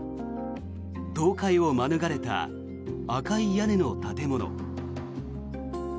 倒壊を免れた赤い屋根の建物。